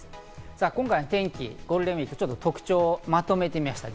今回の天気、ゴールデンウイーク、特徴をまとめました。